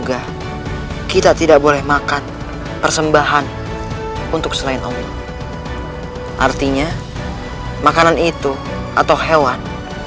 allah swt berfirman